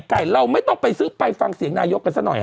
เราไม่ต้องไปซื้อไปฟังเสียงนายกกันซะหน่อยฮ